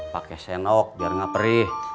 pake senok biar gak perih